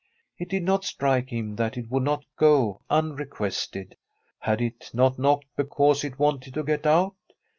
It did not strike him that it would not go unrequested. Had it not knocked because it wanted to get out?